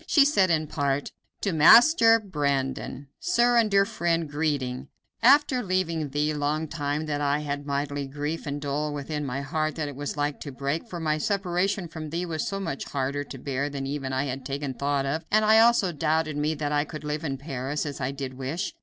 She said in part: "To Master Brandon: "Sir and Dear Friend, Greeting After leaving thee, long time had I that mighty grief and dole within my heart that it was like to break; for my separation from thee was so much harder to bear even than I had taken thought of, and I also doubted me that I could live in Paris, as I did wish.